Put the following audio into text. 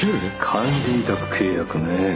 管理委託契約ねえ。